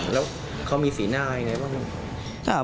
แล้วเขามีสีหน้ายังไงบ้าง